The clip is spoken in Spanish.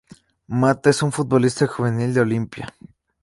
Matta, es un futbolista juvenil de Olimpia.